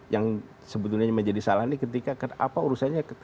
yang sebetulnya menjadi salah ini ketika apa urusannya